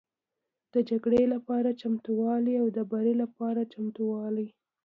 د جګړې لپاره چمتووالی او د بري لپاره چمتووالی